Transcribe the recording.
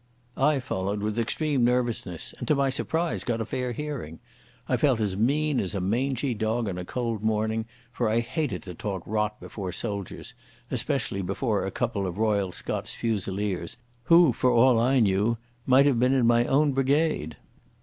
I followed with extreme nervousness, and to my surprise got a fair hearing. I felt as mean as a mangy dog on a cold morning, for I hated to talk rot before soldiers—especially before a couple of Royal Scots Fusiliers, who, for all I knew, might have been in my own brigade.